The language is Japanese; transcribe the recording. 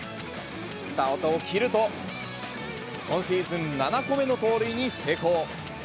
スタートを切ると、今シーズン７個目の盗塁に成功。